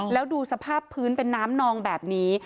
แล้วดูสภาพพื้นเป็นน้ำนองแบบนี้